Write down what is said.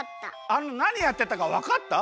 あのなにやってたかわかった？